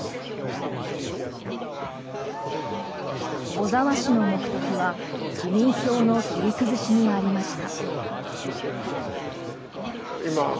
小沢氏の目的は自民票の切り崩しにありました。